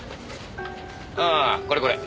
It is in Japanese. ああこれこれ。